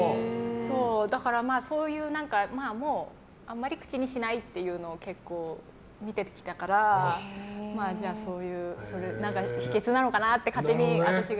だからあまり口にしないっていうのを結構見てきたからじゃあ、そういうのが秘訣なのかなって勝手に私が。